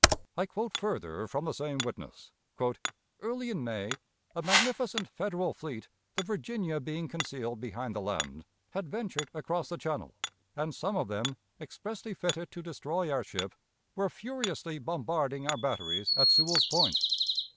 I quote further from the same witness: "Early in May, a magnificent Federal fleet, the Virginia being concealed behind the land, had ventured across the channel, and some of them, expressly fitted to destroy our ship, were furiously bombarding our batteries at Sewell's Point.